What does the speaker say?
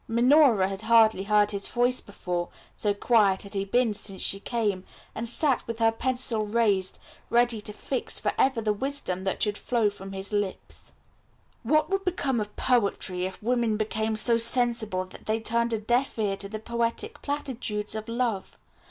Minora had hardly heard his voice before, so quiet had he been since she came, and sat with her pencil raised, ready to fix for ever the wisdom that should flow from his lips. "What would become of poetry if women became so sensible that they turned a deaf ear to the poetic platitudes of love?